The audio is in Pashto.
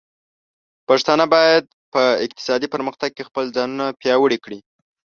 پښتانه بايد په اقتصادي پرمختګ کې خپل ځانونه پياوړي کړي.